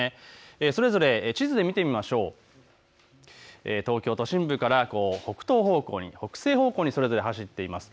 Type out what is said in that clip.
それぞれ地図で見ると東京都心部から北東方向、北西方向にそれぞれ走っています。